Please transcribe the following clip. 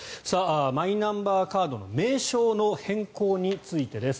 マイナンバーカードの名称の変更についてです。